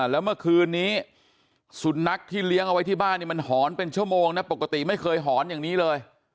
แล้วเมื่อคืนนี้สุนัขที่เลี้ยงเอาไว้ที่บ้านมันหอนเป็นชั่วโมงนะปกติไม่เคยหอนอย่างนี้เลย